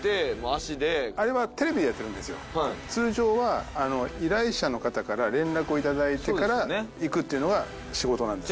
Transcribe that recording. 通常は依頼者の方から連絡を頂いてから行くっていうのが仕事なんですね。